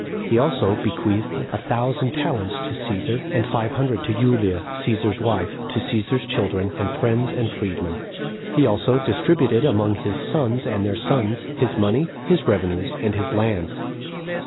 He also bequeathed a thousand talents to Cæsar, and five hundred to Julia, Cæsar's wife, to Cæsar's children, and friends and freed men. He also distributed among his sons and their sons his money, his revenues, and his lands.